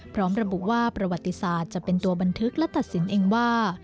พร้อมระบุว่าประวัติศาสตร์จะเป็นตัวบันทึกและตัดสินเองว่า